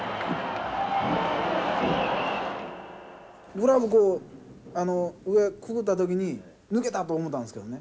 グラブこう上くぐった時に抜けたと思うたんですけどね。